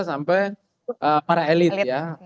sampai para elit ya